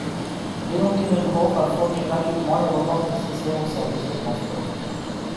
Leontinenhof a fourni gratuitement les remorques nécessaires aux services de transport.